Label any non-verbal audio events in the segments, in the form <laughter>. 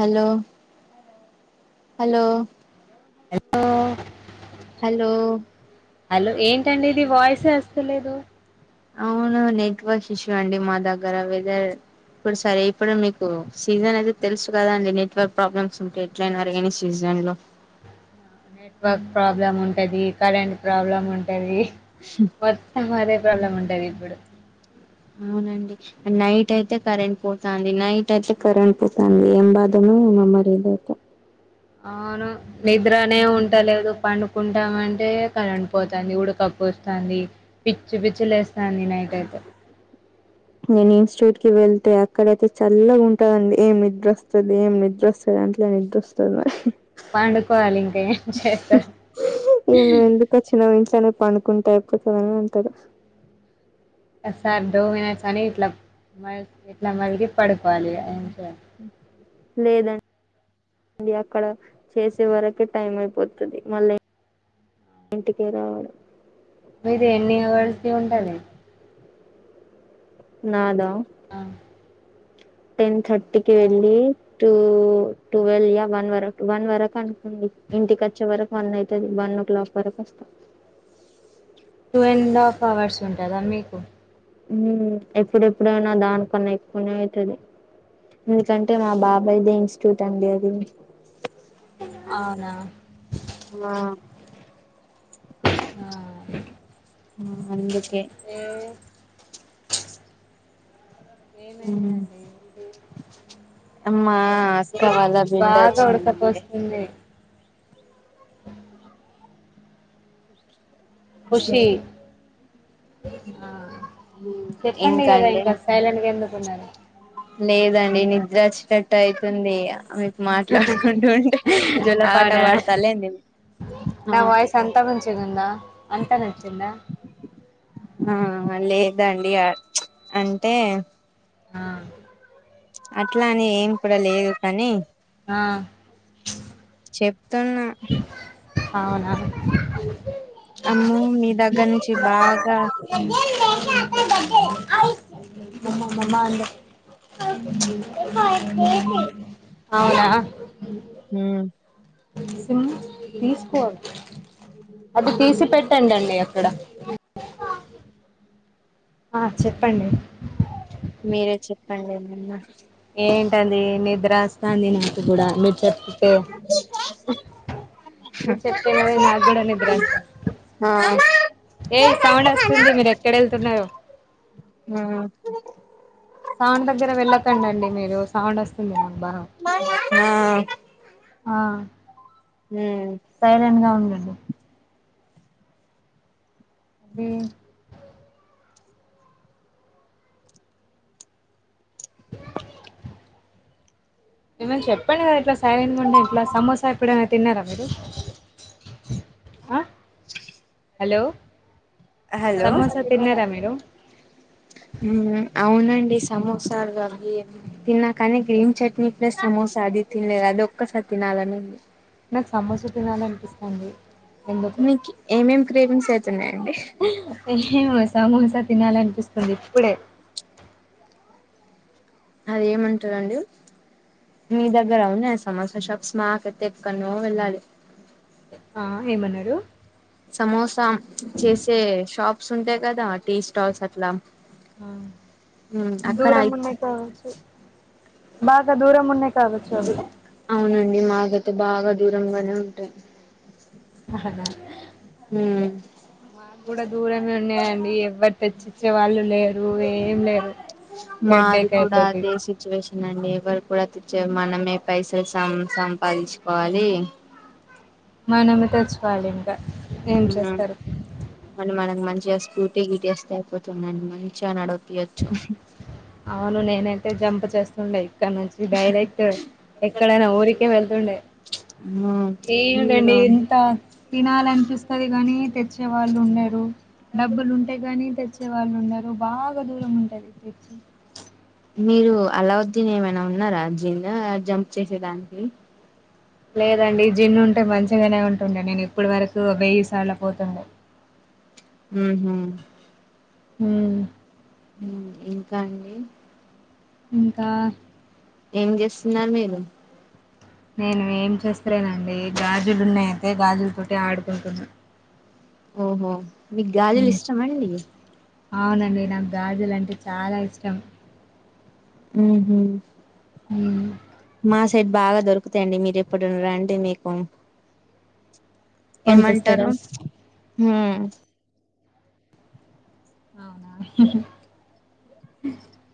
Hello hello ఎ hello hello ఏంటండి ఇది వాయిసే వస్తలేదు అవును నెట్ వర్క్ ఇష్యూ అండి మా దగ్గర వెదర్ ఇప్పుడు సరే ఇప్పుడు మీకు సీజన్ అయితే తెలుసు కదా అండి నెట్వర్క్ ప్రాబ్లమ్స్ ఉంటే ఎట్లైన్ అరగని సీజన్ జనీలో నెట్వర్క్ ప్రాబ్లం ఉంటది కరెంట్ ప్రాబ్లం ఉంటది మొత్తం అదే ప్రాబ్లమ్ ఉంటది ఇప్పుడు అవునండి నైట్ అయితే కరెంట్ పోతుంది నైట్ అయితే కరెంట్ పోతుంది ఏం బాధం మా మరిదాత అవును నిద్రనే ఉంటలేదు పండుకుంటామ అంటే కరెంట్ పోతుంది ఉడకప్పు పోస్తుంది పిచ్చి పిచ్చి లేస్తాంది నైట్ అయితే నేను ఇన్స్టిట్యూట్ కి వెళ్తే అక్కడైతే చల్లగా ఉంటదండి ఏం నిద్రస్తుంది ఏం నిద్రస్తుది సర అంట్లోని ఇద్దొస్తుంది మరి పండుకోవాలి ఇంకా ఏం చేస్తారు న ను ఎందుకుచ్చిన వించనే పండుకుంటా టైప్పుడు సద అంటారు సార్ దడో మినిట్స్ అని ఇట్లా మ ఇట్లా మలిగి పడుకోవాలి అం చేలి లేదన్ అది అక్కడ చేసే వరకే టైం అయిపోతుంది మళ్ళీ ఇంటికే రావాల మీది ఎన్ని ఇవ్వాల్సి ఉంటది. నాదా ఆ, టెన్ థర్టీకి ఆ. వెళ్ళి టూ టువెల్వ్ యా వన్ వరకు వన్ వరకు అనుకుంది. ఇంటికి వచ్చే వరకు వన్ అవుతుది వన్ ఓ క్లాక్ వరకు వస్తా టూ అండ్ హాఫ్ అవర్స్ ఉంటదా మీకు? హ ఎప్పుడెప్పుడైనా దానికన్నా ఎక్కువనే అయితది. ఎందుకంటే మా బాబాయదే ఇన్స్టిట్యూట్ అండి అది అవునా మా ఆ ఆ అందున్ ఏవ్ ఉమ్ ఏమైందండి ఇది మా అక్క వాళ్ళ బిడ్డ బాగా వచ్చిందండి ఉడకపోస్తుంది మాదే ఖుషి షంకి ఆ మ్ ఏం చెప్పండి కదా కాండి ఇంకా సైలెంట్గా ఎందుకున్నారు లేదండి నిద్రచ్చినట్టు అయితుంది. మాట్లాడుకుంటూ ఉంటే జోలపాట అవునా వాడతాలేం ని నా వాయిస్ అంతా కొంచి ఉందా అంతా నచ్చిందా? ఆ లేదండి అ చ్ అంటే ఆ అట్లాని ఏం కూడా లేదు కానీ ఆ తన్నా అవునా <unintelligible> అమ్మో మీ దగ్గర హ్యాపీ నుంచి బాగా బర్త్డే అయితుంది మ మ మాందే అవునా హ సిమ్ తీసుకోవాలి అది తీసి పెట్టండి అన్ని అక్కడ ఆ ఆ చెప్పండి మీరే చెప్పండిమమ్మా ఏంటంది నిద్రస్తాంది నాకు కూడా మీరు చెప్పితే నువ్వు చెప్పేనుద నాకు కూడా నిద్రస్తాంది ఆ ఏ సౌండ్ వస్తుంది మీరు ఎక్కడ వెళ్తున్నారు ఆ సౌండ్ దగ్గర వెళ్ళకం అండి మీరు సౌండ్ వస్తుంది నాకు బా ఆ ఆ ఆ మ్మ్ సైలెంట్ గా ఉండుండి అది ఉ ఏమనా చెప్పండి కదా ఇట్లా సైలెంట్ గా ఉంటే ఎట్లా సమోసా ఎప్పుడైనా తిన్నారా మీరు ఆ హలో సమోసా తిన్నారా మీరు ఉం అవునం సమోస అవి తిన్నాకాని గ్రీన్ చట్నీ ప్లస్ సమోసా అది తినలేద్ అది ఒక్కస తినాలని నాక్ సమోస తినాలనిపిస్తంది ఎందుక్ మీకు ఏమేం క్రేవింగ్స్ అయితున్నాయండి ఏమో సామోస తినాలనిపిస్తుంది ఇప్పుడే అదేమంటారండి మీ దగ్గర వున్నాయా సమోసా షప్స్ మాకైతే ఎక్కన్నో వెళ్ళాలి ఆ ఏమన్నారు సమోసాం చేసే షాప్స్ ఉంటాయి కదా టీ స్టాల్స్ అట్లా ఆ దూరం అక్కడయి ఉన్నాయి కావచ్చు బాగా దూరం మున్నై అవునండి మాకైతే బాగా దూరంగానే ఉంటై అవునా మ్మ్ మాకు కూడా దూరమే ఉన్నాయండి ఎవ్వర్ తెచ్చిచ్చే వాళ్ళు లేరు ఏం లేరు మది హెడ్డేక్ కూడా అయితది అదే సిట్చ్యువేషన్ నండి ఎవరు కూడాతీర్చ్చ మనమే పైసలు సం సంపాదించుకోవాలి మానమే తెచ్చువాలింకా ఉమ్ మని మనకు మంచిగా స్కూటీ గిటేస్తే అయిపోతుందండి మంచిగా నడ అవును నీనైతే జంప్ చేస్తుండే ఇక్కనుంచి డైరెక్ట్ ఎక్కడైనా ఊరికే వెళ్తుండే ఏమిటండి మీరు ఎంత తినాలనిపిస్తది గానీ తెచ్చే వాళ్ళు ఉండరు డబ్బులు ఉంటాయి కానీ తెచ్చే వాళ్ళు ఉన్నారు బాగా దూరం ఉంటది తెచ్చి మీరు అలవుద్దీని ఏమైనా ఉన్నారా జిన్ జంప్ చేసేదానికి లేదండి జిన్ ఉంటే మంచిగానే ఉంటుండే నేను ఇప్పడు వరకు వెయ్యిసార్ల పోతుండే ఉహ్మ్ ఉమ్ ఇంకా అండి ఇంకా ఏం చేస్తున్నారు మీరు నేను ఏం చేస్తలేనండి గాజులు ఉన్నాయితే గాజుల్తోటి ఆడుకుంటున్నా ఓహో మీక్ గాజలు ఉమ్ ఇష్టమండి అవునండి నాకు గాజులు అంటే చాలా ఇష్టం ఉహ్మ్ ఉమ్ మా సైడ్ బాగా దొరుకుతాయండి మీరు ఎప్పుడైన రండి మీకు ఏమంటారు కొనితెస్తారా ఉహ్మ్ అవునా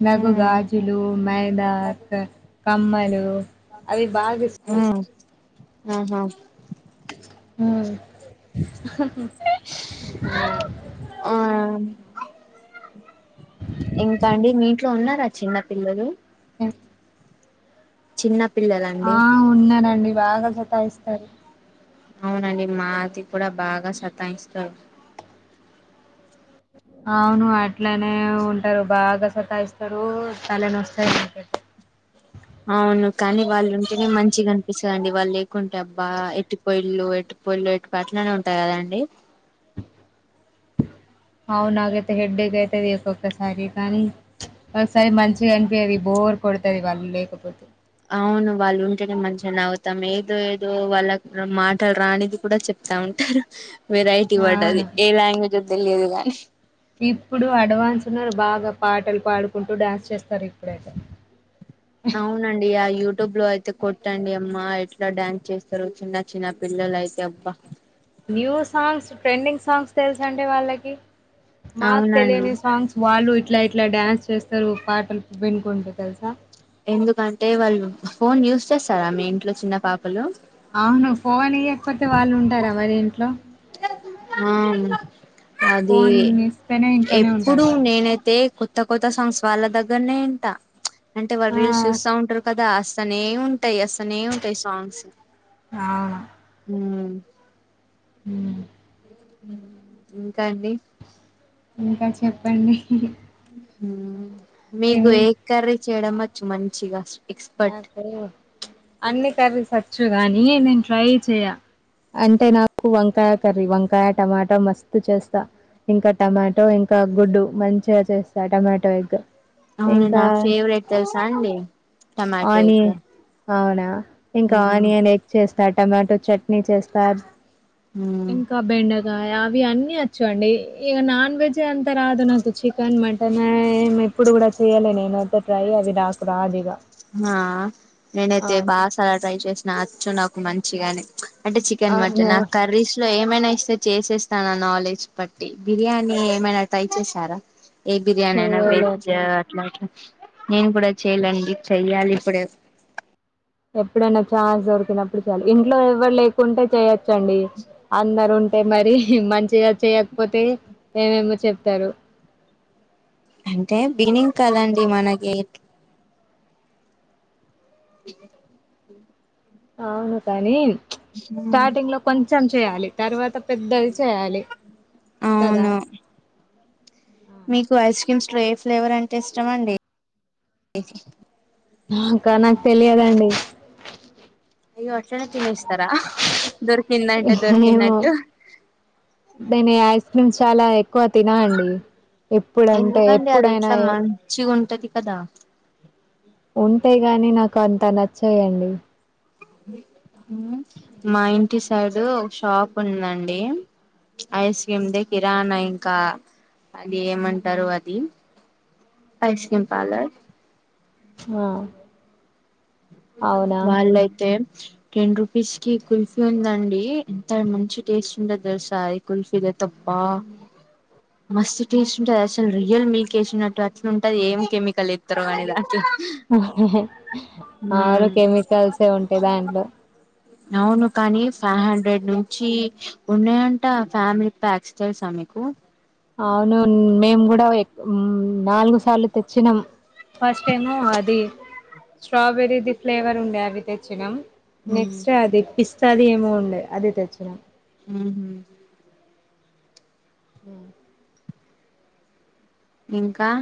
నాకు హ్మ్ గాజులు మైదాక్ కమ్మలు అవి బాగా ఇష్టం మ్ ఆహా మ్ ఆ ఆ ఇంకా అండి మీ ఇంట్లో ఉన్నారా చిన్న పిల్లలు ఎం చిన్న ఆ పిల్లలండి ఉన్నరండి బాగా సతా ఇస్తరు. అవునండి మాది కూడా బాగా సతా ఇంచుతరు. అవును అట్లనే ఉంటరు బాగా సతా ఇస్తరు తల నొస్తది నాకైతే అవును కానీ వాళ్ళుంటేనే మంచిగ అన్పిస్తదండి వాళ్ళు లేకుంటే అబ్బా ఎటు పోయిన్లు ఎటు పొయిన్లో ఎటు అట్లనే ఉంటద్ కదండి. అవు నాకైతే హెడ్డేక్ అయితది ఒక్కొక్కసారి కానీ ఒకసారి మంచిగ అనిపీది బోర్ కొడతది వాళ్ళు లేకపోతే అవును వాళ్ళుంటెనే మంచిగ నవ్వుతం ఏదో ఏదో వాళ్ళక్ మాటల్ రానిది కూడా చెప్ ప్తా ఉంటారు వెరైటీ వర్డ్ అది అవును ఏ లాంగ్వేజో తెలియదు గని ఇప్పుడు అడ్వాన్స్ ఉన్నరు బాగా పాటల్ పాడుకుంటూ డాన్స్ చేస్తరు ఇప్పుడైతే అవునండి ఆ యు ట్యూబ్లో అయితే కొట్టండి అమ్మా ఎట్లా డ్యాన్స్ చేస్తరో చిన్న చిన్న పిల్లలైతే అబ్బా న్యూ సాంగ్స్ ట్రెండింగ్ సాంగ్స్ తెల్సండి వాళ్ళకి మాక్ అవునండి తెలియని సాంగ్స్ వాళ్ళు ఇట్లా ఇట్లా డ్యాన్స్ చేస్ స్తరు పాటల్ బెన్కుంటు తెల్సా ఎందుకంటే వాళ్ళు ఫోన్ యూజ్ చేస్తారా మీ ఇంట్లో చిన్న పాప్ అవును ఫోన్ ఇయ్వకపోతే వాళ్ళు ఉంటరా మరి ఇంట్లో ఆ ఉ అదీ ఫోన్ ఇస్తేనే ఇంట్లోనే ఎప్పుడు ఉంటారు వాళ్ళు నేనైతే కొ త్త కొత్త సాంగ్స్ వాళ్ళ దగ్గర్నే ఇంట అంటే వాళ్ళు ఆ రీల్స్ చూస్తా ఉంటరు కదా స్తనే ఉంటయి అస్తనే ఉంటయి సాంగ్స్ అవును మ్ హ్ ఇంకా అండి. ఇంకా చెప్పండి మీకు తిని ఏ కర్రీ చేయడం అచ్చు మంచిగ నాకు అన్ని కర్రీసచ్చు గానీ నేను ట్రై చేయ అంటే నాకు వంకాయ కర్రీ వంకాయ, టమాటా మస్త్ చేస్తా. ఇంకా టమాటో ఇంకా గుడ్డు మంచిగ చేస్తా టమాటో ఎగ్ అవును నాక్ ఫేవరెట్ తెల్సా అండి టమాటో ఎగ్ ఆనియే అవునా ఇంకా ఆనియన్ ఎగ్ చేస్తా టమాటో చట్ నీ చేస్తా మ్మ్ ఇంకా బెండ కాయ అవి అన్నీ అచ్చు అండి ఇగ నాన్ వెజే అంత రాదు నాకు చికెన్, మటన్ ఏం ఎప్పుడు గుడ చేయలె నేనైతే ట్రై అవి నాకు రాదు ఇగ ఆ నేనైతే బాగా సార్ల ట్రై చేసిన అచ్చు నాకు మంచిగనే అంటే చికెన్, అవును మటన ఆ కర్రీస్లో ఏమైన ఇస్ తే చేసేస్తా నా నాలెడ్జ్ బట్టి బిర్యానీ ఏమైనా ట్రై చేసారా ఏ బిర్యానీ అయిన వెజ్ చేయలేదు అట్ల ఇట్ల నేన్ కూడా చేయలే అండి. చెయ్యాలి ఇప్పుడు ఎప్పుడైన ఛాన్స్ దొరికినప్పుడు చాలు ఇంట్లో ఎవరు లేకుంటే చేయచ్ చండి అందరున్ అంటె మరి మంచిగ చేయకపోతె మేమేమో చెప్తరు అంటే బిగినింగ్ కదండి మనకి అవును కని స్టార్టింగ్ లో కొంచెం చేయాలి తర్వాత పెద్దది చేయాలి కద అవును మీకు ఐస్ క్రీమ్స్ లో ఏ ఫ్లేవర్ అంటె ఇష్టమండి నాక నాకు తెలియదండి అయ్యో అట్లనే తినేస్తరా హ్ ఏమో నేను ఐస్ క్రీమ్స్ చాలా ఎక్ ఎక్కువ తిననండి ఎప్పుడంటె ఎందుకండి అది ఎప్పుడైన ఎట్లా ఎ మంచిగా ఉంటది కదా ఉంటయి గాని నాకు అంత నచ్చయండి ఉమ్ మా ఇంటి సైడు ఒక షాప్ ఉందండి ఐస్క్రీమ్ది కిరాణా ఇంక అది ఏమంటరు అది ఐస్ క్రీమ్ పార్లర్ మో వాళ్ళయితె టెన్ రూపీస్ కి కుల్ఫీ ఉందండి ఎంత మంచి టేస్ట్ ఉంటది తెల్సా అది కుల్ఫీదే తప్ప ఆ మస్త్ టేస్ట్ ఉంటది అసలు రియల్ మిల్క్ ఏసినట్టు అసలు ఉంటది ఏం కెమిక ఆ ఆరు దాంట్లో కెమికల్సే ఉంటయ్ దాంట్లో అవును కానీ ఫైవ్ హండ్రెడ్ నుంచి ఉన్నయంట ఫ్యామిలీ ప్యాక్స్ తెల్స మీక్ నాకు అవును మేము కూడ ఏక్ ఉమ్ నాలుగు సార్లు తెచ్చినం ఫస్ట్ ఏమో అది స్ట్రాబెర్రీ ది ఫ్లేవర్ ఉండె అవి తెచ్చినం ఉమ్, నెక్స్ట్ అది పిస్త అది ఏమో ఉండె అది తెచ్చినం ఉహు ఉ ఇంక ఆ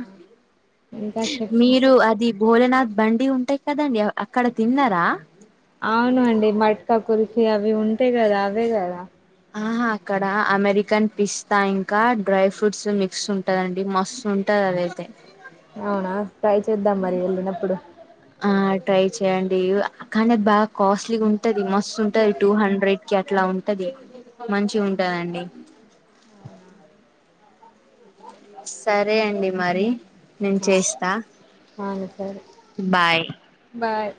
ఇంకా చెప్పు మీరు అది భోలనాథ్ బండి ఉంటయి కదండి అక్కడ తిన్నార క కుల్ఫీ అవి ఉంటయి కద అవ్వే కద ఆహా అక్కడ అమెరికన్ పిస్తా ఇంక డ్రై ఫ్రూట్స్ మిక్స్ ఉంటదండి మస్తు ఉంటంది అది ఐతే అవున ట్రై చేద్దాం మరి వెళ్ళినప్పుడు ఆ ట్రై చెయండి కానీ అది బాగ కాస్ట్లీగ ఉంటది మ మస్తు ఉంటది టు హండ్రెడ్ కి అట్ల ఉంటది మంచి ఉంటందండి అవున సరే అండి మరి నేను ఆ చేస్త అవును సరే బాయ్ బాయ్